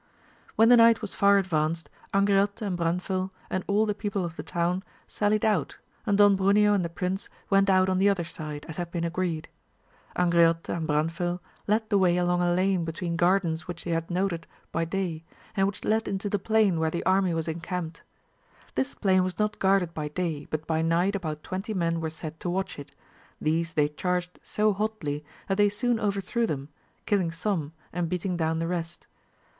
When the night was far advanced, Angriote and Branfil, and all the people of the town, salUed out, and Don Bruneo and the prince went out on the other side, as had been agreed. Angriote and Branfll led the way along a lane between gardens which they had noted by 272 AMADIS OF GAUL. day, and which led into the plain where the army was encamped. This plain was not guarded by day, but by night about twenty men were set to watch it ; these they charged so hotly, that they soon overthrew them, killing some, and beating down the rest.